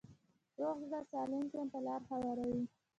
روغ زړه سالم ژوند ته لاره هواروي.